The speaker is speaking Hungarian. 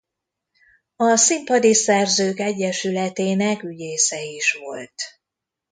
A Színpadi Szerzők Egyesületének ügyésze is volt.